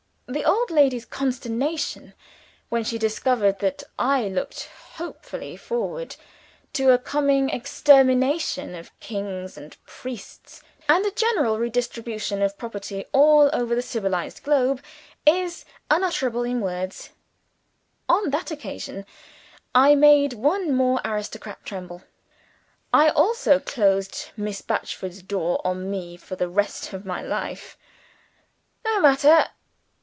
The old lady's consternation, when she discovered that I looked hopefully forward to a coming extermination of kings and priests, and a general re distribution of property all over the civilized globe, is unutterable in words. On that occasion, I made one more aristocrat tremble. I also closed Miss Batchford's door on me for the rest of my life. No matter!